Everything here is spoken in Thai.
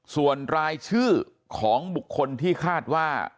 ส่วนรายชื่อของบุคคลที่คาดว่า